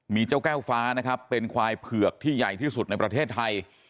มีเจ้าแก้วฟ้านะครับเป็นควายเผือกที่ใหญ่ที่สุดในประเทศไทย